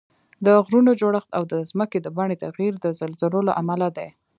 د غرونو جوړښت او د ځمکې د بڼې تغییر د زلزلو له امله دي